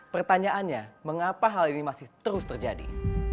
pertanyaannya mengapa hal ini masih terus terjadi